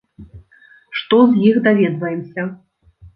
Што з іх даведваемся?